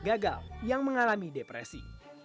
gagal yang mengalami depresi